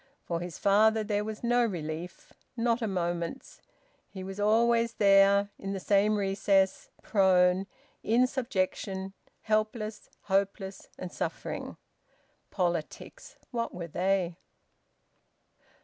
For his father there was no relief, not a moment's. He was always there, in the same recess, prone, in subjection, helpless, hopeless, and suffering. Politics! What were they?